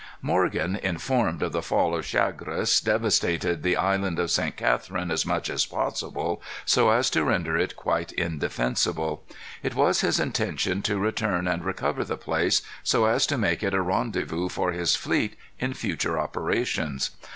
Morgan, informed of the fall of Chagres, devastated the Island of St. Catherine as much as possible, so as to render it quite indefensible. It was his intention to return and recover the place, so as to make it a rendezvous for his fleet in future operations.